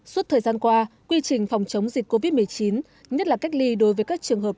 suốt thời gian qua quy trình phòng chống dịch covid một mươi chín nhất là cách ly đối với các trường hợp